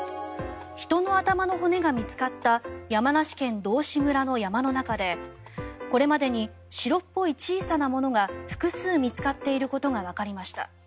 人の頭の骨が見つかった山梨県道志村の山の中でこれまでに白っぽい小さなものが複数見つかっていることがわかりました。